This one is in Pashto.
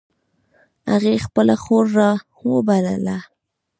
هغې خپله خور را و بلله